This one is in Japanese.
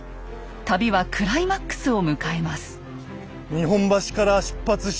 旅はクライマックスを迎えます。